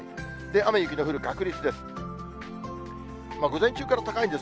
雨、雪の降る確率です。